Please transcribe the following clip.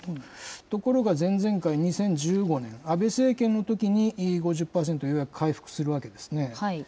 ところが前々回・２０１５年、安倍政権のときに、５０％をようやく回復するわけですね。